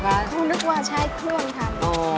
เขานึกว่าใช้เครื่องทำ